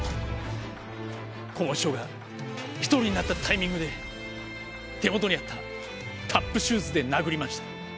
こぼん師匠が１人になったタイミングで手元にあったタップシューズで殴りました。